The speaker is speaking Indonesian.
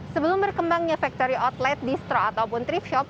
sebelum berkembangnya factory outlet distro ataupun trip shop